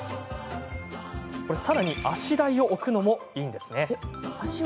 さらに、足台を置くのもいいんです。